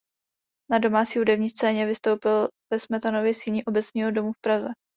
Na domácí hudební scéně vystoupil ve Smetanově síni Obecního domu v Praze.